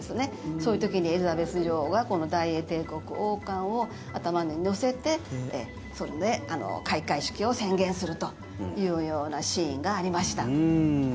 そういう時にエリザベス女王がこの大英帝国王冠を頭に載せてそれで開会式を宣言するというようなシーンがありました。